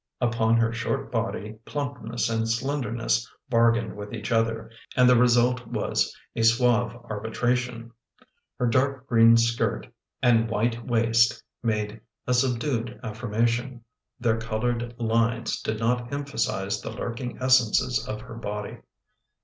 Upon her short body plumpness and slenderness bargained with each other, and the re sult was a suave arbitration. Her dark green skirt and white waist made a subdued affirmation: their coloured lines did not emphasise the lurking essences of her body.